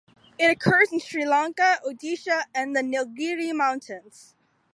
It occurs in Sri Lanka, Odisha and in the Nilgiri mountains.